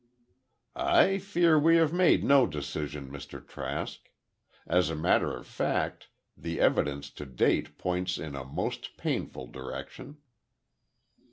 "I fear we have made no decision, Mr. Trask. As a matter of fact the evidence to date points in a most painful direction."